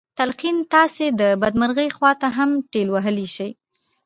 تلقين تاسې د بدمرغۍ خواته هم ټېل وهلی شي.